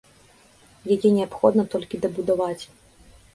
Яе неабходна толькі дабудаваць.